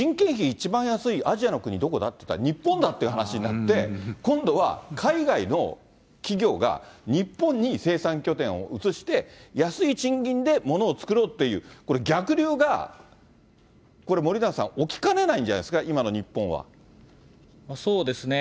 一番安いアジアの国、どこだっていったら、日本だって話になって、今度は海外の企業が、日本に生産拠点を移して、安い賃金でものを作ろうっていう、これ、逆流がこれ、森永さん、起きかねないんじゃないですか、そうですね。